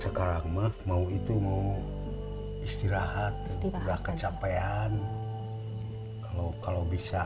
sekarang mah mau itu mau istirahat udah kecapean kalau kalau bisa